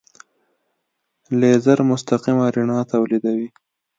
لیزر مستقیمه رڼا تولیدوي.